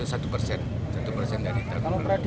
kalau prediksi pak berapa peningkatan